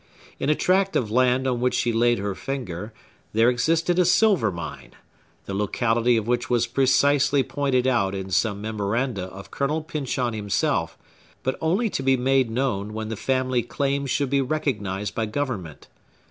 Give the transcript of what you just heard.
In a tract of land on which she laid her finger, there existed a silver mine, the locality of which was precisely pointed out in some memoranda of Colonel Pyncheon himself, but only to be made known when the family claim should be recognized by government.